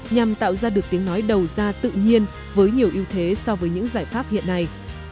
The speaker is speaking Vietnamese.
nhằm tạo ra được tiếng nói đầu ra tự nhiên với nhiều ưu thế so với những giải pháp hiện nay